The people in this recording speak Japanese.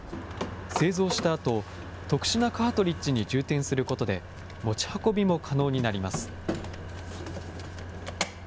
製造したあと、特殊なカートリッジに充填することで、持ち運びも可能になります。